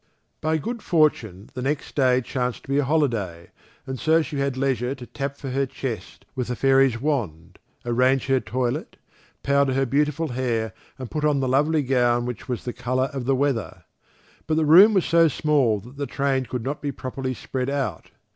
By good fortune the next day chanced to be a holiday, and so she had leisure to tap for her chest with the fairy's wand, arrange her toilet, powder her beautiful hair and put on the lovely gown which was the colour of the weather; but the room was so small that the train could not be properly spread out.